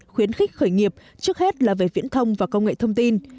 khuyến khích khởi nghiệp trước hết là về viễn thông và công nghệ thông tin